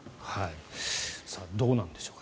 どうなんでしょうか。